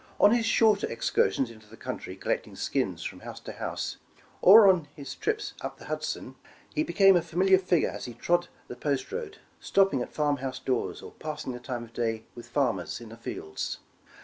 On his shorter excursions into the country collecting skins from house to house, or on his trips up the Hud son, he became a familiar figure as he trod the post road, stopping at farm house doors, or passing the time of day with farmers in the fields.